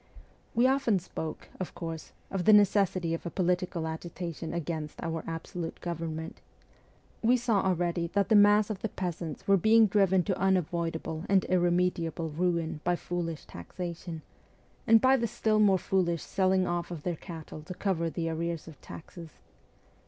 We often spoke, of course, of the necessity of a political agitation against our absolute government. We saw already that the mass of the peasants were being driven to unavoidable and irremediable ruin by foolish taxation, and by the still more foolish selling off of their cattle to cover the arrears of taxes.